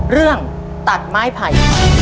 เรื่องตัดไม้ไผ่